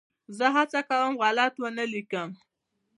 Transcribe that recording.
زه هڅه کوم غلط ونه ولیکم.